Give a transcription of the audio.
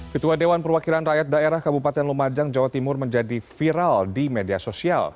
ketua dewan perwakilan rakyat daerah kabupaten lumajang jawa timur menjadi viral di media sosial